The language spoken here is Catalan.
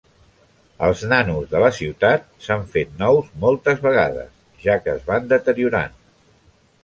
Els Nanos de la ciutat s'han fet nous moltes vegades, ja que es van deteriorant.